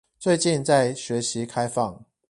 最近在學習開放